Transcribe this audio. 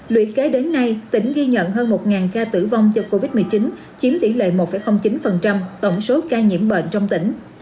lũy kế đến nay tỉnh ghi nhận hơn một ca tử vong do covid một mươi chín chiếm tỷ lệ một chín tổng số ca nhiễm bệnh trong tỉnh